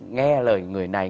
nghe lời người này